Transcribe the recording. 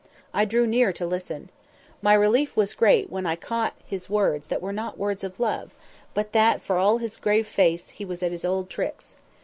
I drew near to listen. My relief was great when I caught that his words were not words of love, but that, for all his grave face, he was at his old tricks.